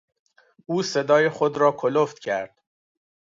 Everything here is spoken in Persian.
او صدای خود را کلفت کرد.